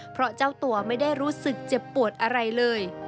เพราะเจ้าตัวไม่ได้รู้สึกเจ็บปวดอะไรเลย